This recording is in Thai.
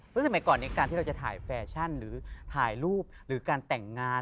สมัยก่อนในการที่เราจะถ่ายแฟชั่นหรือถ่ายรูปหรือการแต่งงาน